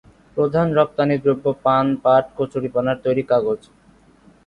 প্রধান রপ্তানিদ্রব্য পান, পাট, কচুরিপানার তৈরি কাগজ।